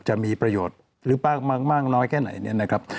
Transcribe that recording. จะมีประโยชน์หรือมากน้อยแค่ไหนเนี่ยนะครับ